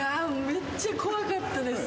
めっちゃ怖かったです。